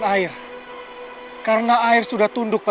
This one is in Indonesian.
berndone sudah hidup